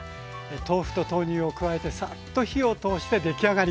豆腐と豆乳を加えてさっと火を通して出来上がり。